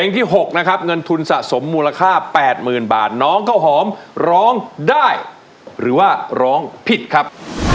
ที่๖นะครับเงินทุนสะสมมูลค่า๘๐๐๐บาทน้องข้าวหอมร้องได้หรือว่าร้องผิดครับ